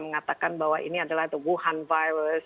mengatakan bahwa ini adalah the wuhan virus